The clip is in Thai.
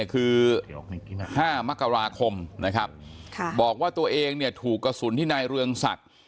คือ๕มกราคมบอกว่าตัวเองถูกกระสุนที่ในเรืองศักดิ์